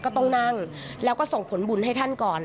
ก็ต้องนั่งแล้วก็ส่งผลบุญให้ท่านก่อน